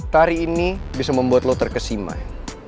tari ini bisa membuat lo terkesimai